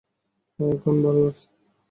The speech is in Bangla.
হ্যাঁ, এখন ভালো লাগছে।